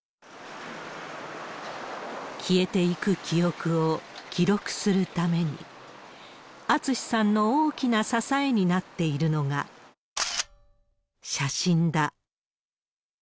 消えていく記憶を記録するために、厚さんの大きな支えになっているのが、写真だ。